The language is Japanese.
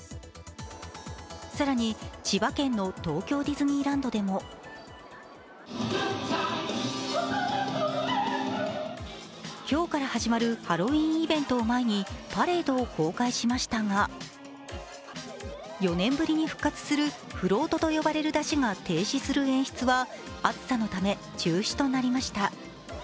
更に千葉県の東京ディズニーランドでも今日から始まるハロウィーンイベントを前にパレードを公開しましたが、４年ぶりに復活するフロートと呼ばれる山車が停止する演出は暑さのため中止となりました。